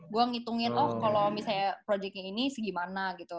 gue ngitungin oh kalau misalnya projectnya ini segimana gitu